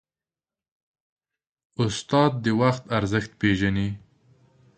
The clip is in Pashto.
استاد د وخت ارزښت پېژني.